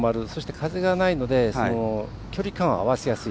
風がないので距離感を合わせやすい。